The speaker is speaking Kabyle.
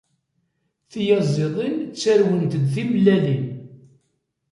Tiyaziḍin ttarwent-d timellalin.